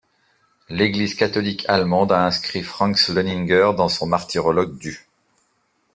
L'Église catholique allemande a inscrit Franz Leuninger dans son martyrologe du.